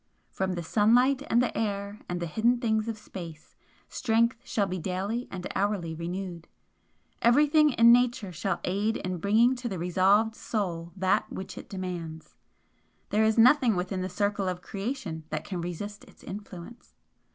From the sunlight and the air and the hidden things of space strength shall be daily and hourly renewed; everything in Nature shall aid in bringing to the resolved Soul that which it demands. There is nothing within the circle of Creation that can resist its influence.